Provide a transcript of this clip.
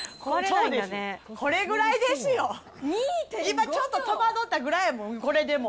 今ちょっと、手間取ったくらいやもん、これでも。